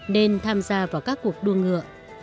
nên tham gia vào các cuộc đua ngựa